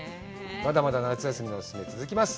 まだまだ夏休みのオススメ続きます